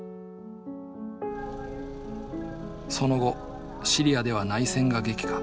その後シリアでは内戦が激化。